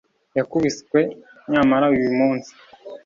Yakubiswe nyamara uyu munsi